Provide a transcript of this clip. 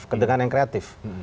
ketegangan yang kreatif